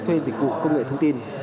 thuê dịch vụ công nghệ thông tin